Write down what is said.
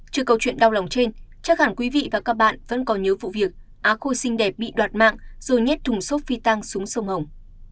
trừ câu chuyện đau lòng trên chắc hẳn quý vị và các bạn vẫn có nhớ vụ việc á khôi xinh đẹp bị đoạt mạng rồi nhét thùng xốp phi tăng xuống sông hồng